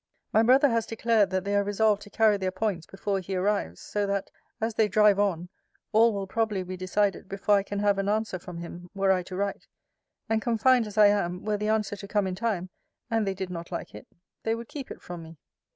My brother has declared, that they are resolved to carry their points before he arrives: so that, as they drive on, all will probably be decided before I can have an answer from him, were I to write: and, confined as I am, were the answer to come in time, and they did not like it, they would keep it from me.